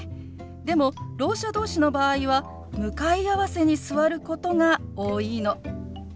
でもろう者同士の場合は向かい合わせに座ることが多いの。